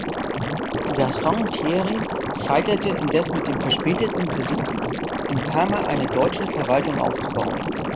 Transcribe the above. Gaston Thierry scheiterte indes mit dem verspäteten Versuch, in Pama eine deutsche Verwaltung aufzubauen.